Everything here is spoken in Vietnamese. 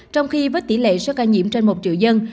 trong khi với tỷ lệ số ca nhiễm trên một triệu dân